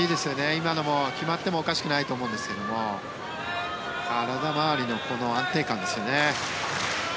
今のも決まってもおかしくないと思うんですけども体周りの安定感ですよね。